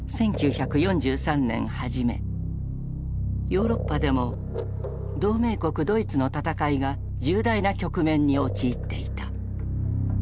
ヨーロッパでも同盟国ドイツの戦いが重大な局面に陥っていた。